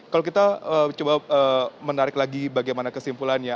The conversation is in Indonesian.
kalau kita coba menarik lagi bagaimana kesimpulannya